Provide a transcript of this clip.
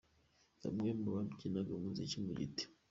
Bamwe mu babyiniraga umuziki mu giti.